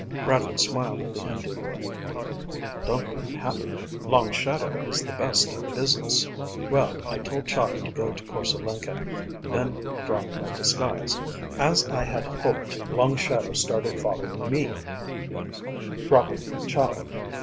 Bradley smiled at the Hindu boy. "Don't be unhappy. Long Shadow is the best in the business. Well, I told Chahda to go to Korse Lenken, then dropped my disguise. As I had hoped, Long Shadow started following me, dropping Chahda.